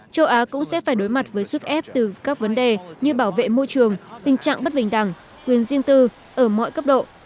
châu á cũng sẽ phải đối mặt với sức ép từ các vấn đề như bảo vệ môi trường tình trạng bất bình đẳng quyền riêng tư ở mọi cấp độ